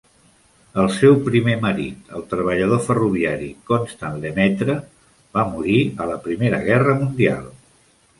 El seu primer marit, el treballador ferroviari Constant Lemaitre, va morir a la Primera Guerra Mundial.